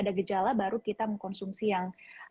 ada gejala baru kita mengkonsumsi yang